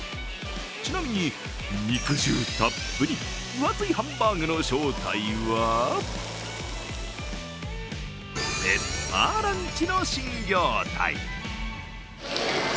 ちなみに肉汁たっぷり分厚いハンバーグの正体はペッパーランチの新業態。